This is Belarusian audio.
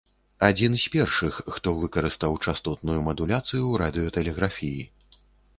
Адзін з першых, хто выкарыстаў частотную мадуляцыю ў радыётэлеграфіі.